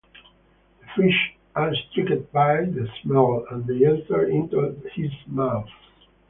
The fish are tricked by the smell and they enter into his mouth.